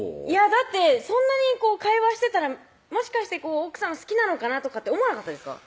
だってそんなに会話してたらもしかして奥さん好きなのかな？とかって思わなかったんですか？